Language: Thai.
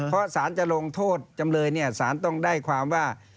เพราะสารจะลงโทษจำเลยเนี่ยสารต้องได้ความว่า